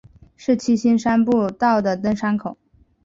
是七星山步道的登山口。